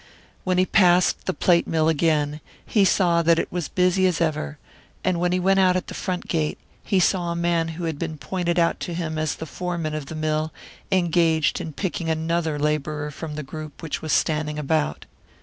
When he passed the plate mill again, he saw that it was busy as ever; and when he went out at the front gate, he saw a man who had been pointed out to him as the foreman of the mill, engaged in picking another labourer from the group which was standing about.